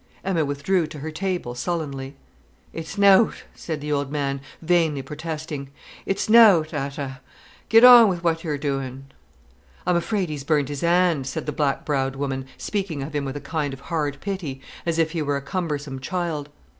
Emma withdrew to her table sullenly. "It's nöwt," said the old man, vainly protesting. "It's nöwt at a'. Get on wi' what you're doin'." "I'm afraid 'e's burnt 'is 'and," said the black browed woman, speaking of him with a kind of hard pity, as if he were a cumbersome child.